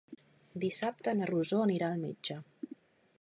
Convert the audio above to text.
Dissabte na Rosó anirà al metge.